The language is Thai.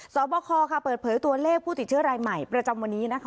สอบคอเปิดเผยตัวเลขผู้ติดเชื้อรายใหม่ประจำวันนี้นะคะ